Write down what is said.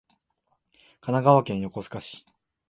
神奈川県横須賀市